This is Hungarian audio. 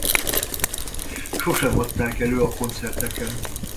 Sosem adták elő a koncerteken.